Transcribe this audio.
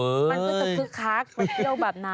มันก็จะคึกคักไปเที่ยวแบบนั้น